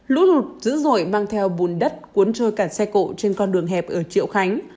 lũ lụt dữ dội mang theo bùn đất cuốn trôi cả xe cộ trên con đường hẹp ở triệu khánh